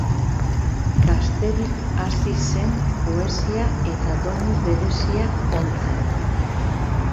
Gazterik hasi zen poesia eta doinu bereziak ontzen.